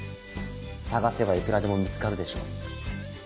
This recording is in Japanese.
探せばいくらでも見つかるでしょう。